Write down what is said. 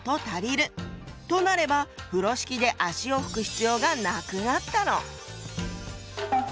となれば風呂敷で足を拭く必要がなくなったの。